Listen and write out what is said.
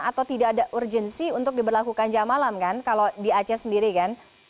atau tidak ada urgensi untuk diberlakukan jam malam kan kalau di aceh sendiri kan